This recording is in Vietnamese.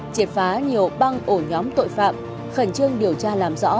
triệt phá nhiều băng ổ nhóm tội phạm khẩn trương điều tra làm rõ